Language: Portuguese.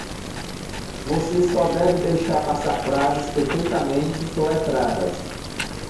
Você só deve deixar passar frases perfeitamente soletradas.